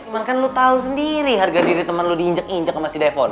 makanya lo tau sendiri harga diri temen lo diinjak injak sama si devon